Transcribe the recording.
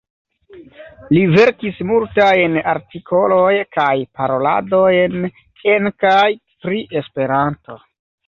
Li verkis multajn artikoloj kaj paroladojn en kaj pri Esperanto.